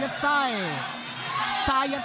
ชายัดไส้เจอเข้าไปหลายขนาด